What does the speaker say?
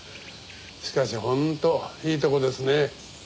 しかし本当いいとこですね。